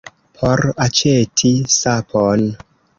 Por aĉeti sapon.